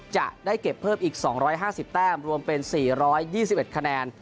จะได้เก็บเพิ่มอีก๒๕๐แต้มรวมเป็น๔๒๑คะแนน